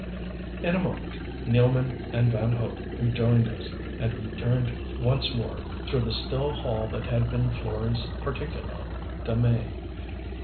In a moment Nealman and Van Hope rejoined us, and we turned once more through the still hall that had been Florey's particular domain.